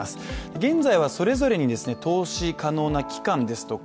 現在はそれぞれに投資可能な期間ですとか